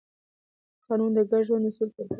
قانون د ګډ ژوند اصول ټاکي.